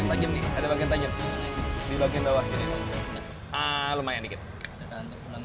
ada bagian tajam di bawah sini